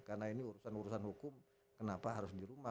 karena ini urusan urusan hukum kenapa harus di rumah